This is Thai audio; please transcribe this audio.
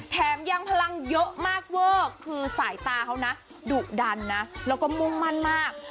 แถมยังพลังเยอะมากเวอร์คือสายตาเขานะดุดันนะแล้วก็มุ่งมั่นมาก